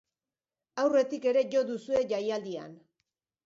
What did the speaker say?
Aurretik ere jo duzue jaialdian.